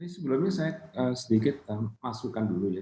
sebelumnya saya sedikit masukkan dulu ya